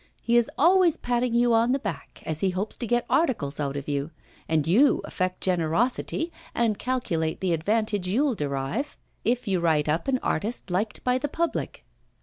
He is always patting you on the back, as he hopes to get articles out of you, and you affect generosity and calculate the advantage you'll derive if you write up an artist liked by the public.